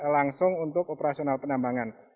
langsung untuk operasional penambangan